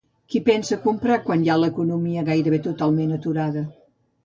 Qui pensa a comprar quan hi ha l’economia gairebé totalment aturada?